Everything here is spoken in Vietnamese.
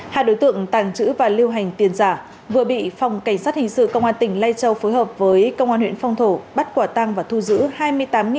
hai đối tượng tàng trữ và lưu hành tiền giả vừa bị phòng cảnh sát hình sự công an tỉnh lai châu phối hợp với công an huyện phong thổ bắt quả tăng và thu giữ